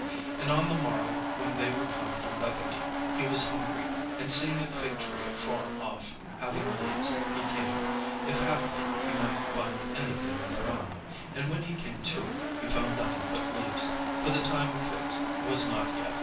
And on the morrow, when they were come from Bethany, he was hungry: and seeing a fig tree afar off having leaves, he came, if haply he might find any thing thereon: and when he came to it, he found nothing but leaves; for the time of figs was not yet.